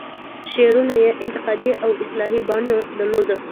شعرونو یې انتقادي او اصلاحي بڼه درلوده.